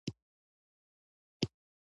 افغانستان د کندهار د ساتنې لپاره قوانین لري.